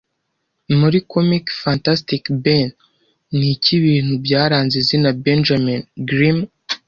Muri comic Fantastic Bane niki Ibintu byaranze izina Benjamin Grimm